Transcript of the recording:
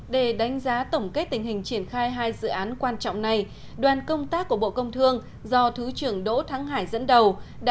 để đánh giá tổng kết tình hình triển khai hai dự án quan trọng này đoàn công tác của bộ công thương do thứ trưởng đỗ thắng hải dẫn đầu